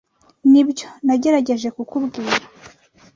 Nibyo nagerageje kukubwira.